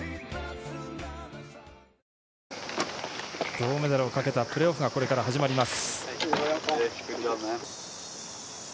銅メダルをかけたプレーオフがこれから始まります。